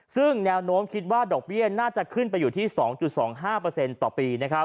ซึ่งแนวโน้มคิดว่าดอกเบี้ยน่าจะขึ้นไปอยู่ที่๒๒๕ต่อปี